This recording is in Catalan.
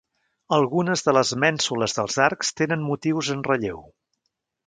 Algunes de les mènsules dels arcs tenen motius en relleu.